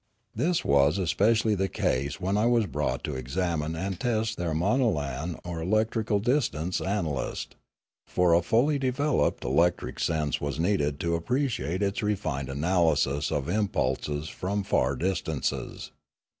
This was especially the case when I was brought to examine and test their monalan or electrical distance analyst, for a fully developed electric sense was needed to appreciate its refined analysis of impulses from far distances.